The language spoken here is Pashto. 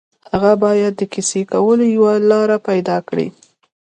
هغه باید د کیسې کولو یوه لاره پيدا کړي